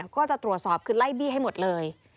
ก็จะตรวจสอบคือไล่บี้ให้หมดเลย